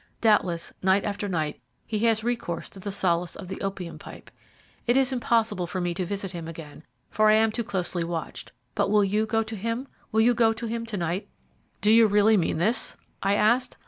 Doubtless, night after night he has recourse to the solace of the opium pipe. It is impossible for me to visit him again, for I am too closely watched, but will you go to him will you go to him to night?" "Do you really mean this?" I asked.